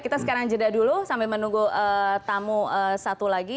kita sekarang jeda dulu sambil menunggu tamu satu lagi